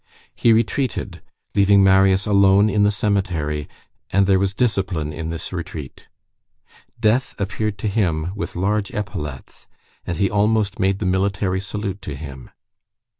He retreated, leaving Marius alone in the cemetery, and there was discipline in this retreat. Death appeared to him with large epaulets, and he almost made the military salute to him.